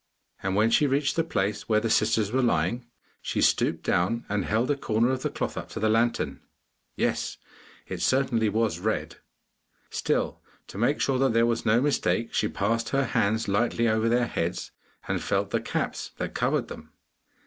And when she reached the place where the sisters were lying, she stooped down and held a corner of the cloth up to the lantern. Yes! it certainly was red! Still, to make sure that there was no mistake, she passed her hands lightly over their heads, and felt the caps that covered them.